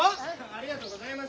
ありがとうございます。